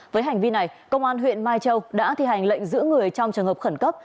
với hành vi này công an huyện mai châu đã thi hành lệnh giữ người trong trường hợp khẩn cấp